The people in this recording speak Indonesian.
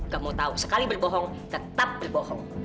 kamu tahu sekali berbohong tetap berbohong